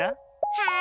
はい。